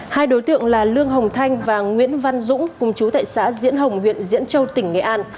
hai đối tượng là lương hồng thanh và nguyễn văn dũng cùng chú tại xã diễn hồng huyện diễn châu tỉnh nghệ an